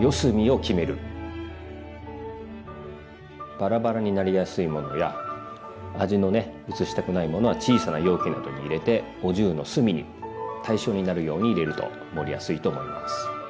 バラバラになりやすいものや味のねうつしたくないものは小さな容器などに入れてお重の隅に対称になるように入れると盛りやすいと思います。